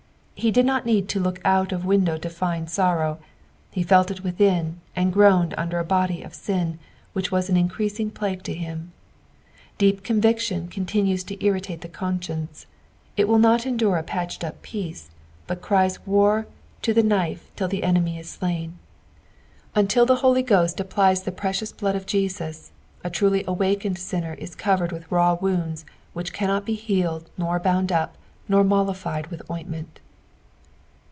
Ho did not need tn look out of window to find sorrow, he felt it within, and groaned under a body of Bin which was an increasing plague to bim. Deep conviction continues to irritate the consuence ; it will not endure a patchcd up peace ; but cries war PSALM THE THIBTY EIOHTH. 225 to the knife till the enmity is sIud. Until the Hoi; Qhost applies the precious blood of Jesus, a truly awakened sinner is coTered with raw wounds which cannot bt) heftled nor bound up, oor mollified with ointment.